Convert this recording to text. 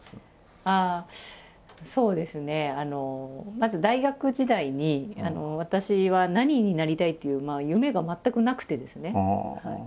まず大学時代に私は何になりたいという夢が全くなくてですね。